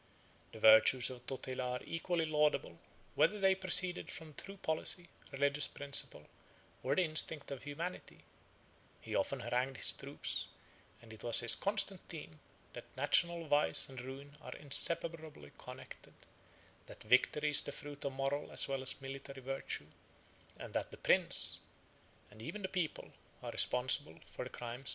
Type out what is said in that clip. The virtues of Totila are equally laudable, whether they proceeded from true policy, religious principle, or the instinct of humanity: he often harangued his troops; and it was his constant theme, that national vice and ruin are inseparably connected; that victory is the fruit of moral as well as military virtue; and that the prince, and even the people, are responsible for the crimes which they neglect to punish.